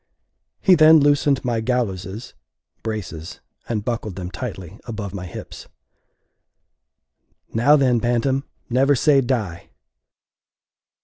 He then loosened my gallowses (braces), and buckled them tightly above my hips. "Now, then, bantam, never say die!"